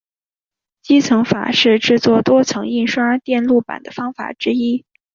积层法是制作多层印刷电路板的方法之一。